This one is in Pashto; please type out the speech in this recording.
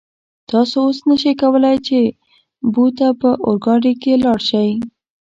تاسو اوس نشئ کولای چې بو ته په اورګاډي کې لاړ شئ.